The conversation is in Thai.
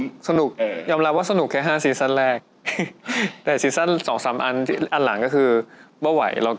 ก็สนุกยอมรับว่าสนุกแค่๕ซีซั่นแรกแต่ซีซั่น๒๓อันหลังก็คือไม่ไหว